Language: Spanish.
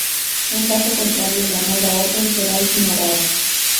En caso contrario la nueva orden será ignorada.